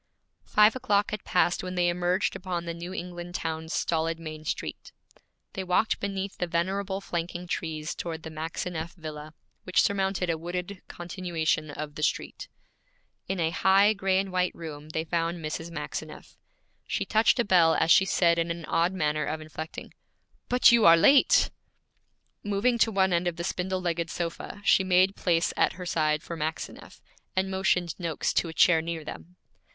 Five o'clock had passed when they emerged upon the New England town's stolid main street. They walked beneath the venerable flanking trees toward the Maxineff villa, which surmounted a wooded continuation of the street. In a high gray and white room they found Mrs. Maxineff. She touched a bell as she said in an odd manner of inflecting, 'But you are late!' Moving to one end of the spindle legged sofa, she made place at her side for Maxineff, and motioned Noakes to a chair near them.